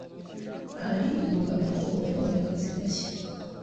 Hari ibihuha bivuga ko yabonye akazi gashya.